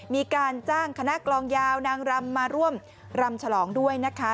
มีการจ้างคณะกลองยาวนางรำมาร่วมรำฉลองด้วยนะคะ